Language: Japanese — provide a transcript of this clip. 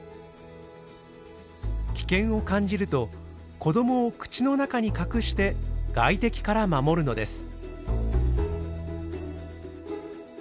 危険を感じると子どもを口の中に隠して外敵から守るのです。